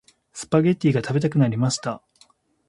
スパゲッティが食べたくなりました。